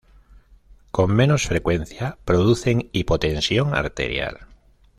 Con menos frecuencia producen hipotensión arterial.